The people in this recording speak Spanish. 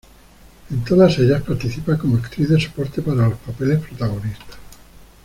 En todas ellas participa como actriz de soporte para los papeles protagonistas.